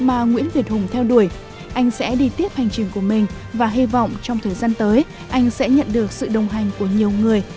anh sẽ đi tiếp hành trình của mình và hy vọng trong thời gian tới anh sẽ nhận được sự đồng hành của nhiều người